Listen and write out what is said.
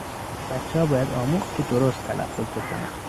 به بچهها باید آموخت که درست تلفظ بکنند.